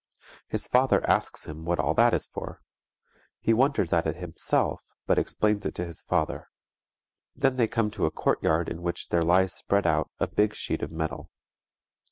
His father asks him what all that is for; he wonders at it himself but explains it to his father. Then they come to a courtyard in which there lies spread out a big sheet of metal.